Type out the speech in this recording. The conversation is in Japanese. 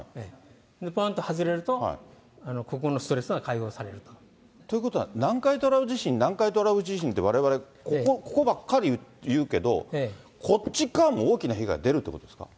ぽんと外れると、ここのストレスということは、南海トラフ地震、南海トラフ地震って、われわれ、ここばっかり言うけど、こっち側も大きな被害が出るということですか。